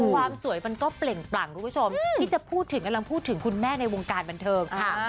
ความสวยมันก็เปล่งปลั่งคุณผู้ชมที่จะพูดถึงกำลังพูดถึงคุณแม่ในวงการบันเทิง